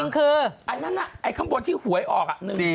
ข้างบนที่หวยออก